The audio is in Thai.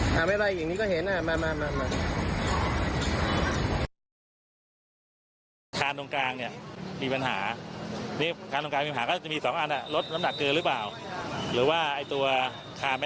หาไม่ได้อย่างนี้ก็เห็น